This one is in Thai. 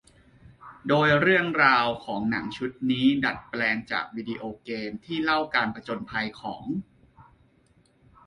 โดยเรื่องราวของหนังชุดนี้ดัดแปลงจากวิดีโอเกมที่เล่าการผจญภัยของ